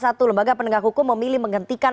satu lembaga penegak hukum memilih menghentikan